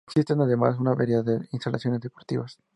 Existe además una variedad de instalaciones deportivas.